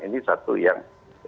ini satu yang